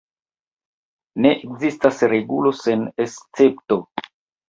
Ne ekzistas regulo sen escepto.